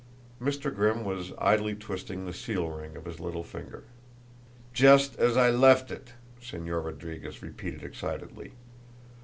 Mr. Grimm was idly twisting the seal ring on his little finger. "Just as I left it!" Señor Rodriguez repeated excitedly.